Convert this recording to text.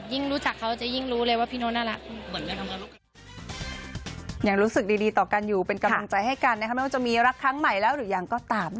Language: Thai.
รู้จักเขาจะยิ่งรู้เลยว่าพี่โน้ตน่ารัก